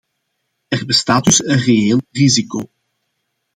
Er bestaat dus een reëel risico.